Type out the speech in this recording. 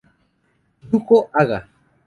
Yuko Haga.